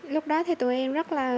lúc đó thì tụi em rất là